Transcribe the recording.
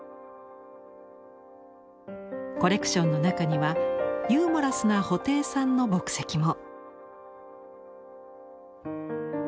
コレクションの中にはユーモラスな布袋さんの墨跡も。